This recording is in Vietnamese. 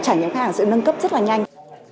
trải nghiệm khách hàng sẽ nâng cấp rất là nhanh